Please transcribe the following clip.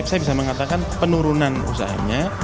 saya bisa mengatakan penurunan usahanya